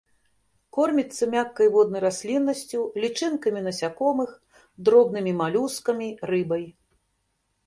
Корміцца мяккай воднай расліннасцю, лічынкамі насякомых, дробнымі малюскамі, рыбай.